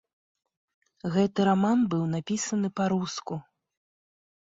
Гэты раман быў напісаны па-руску.